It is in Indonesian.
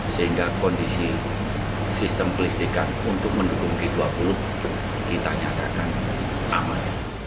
sehingga kondisi sistem kelistikan untuk mendukung g dua puluh kita nyatakan aman